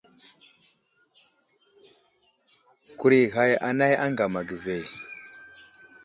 Kurag i ghag anay aŋgam age ve.